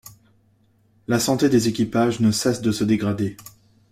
La santé des équipages ne cesse de se dégrader.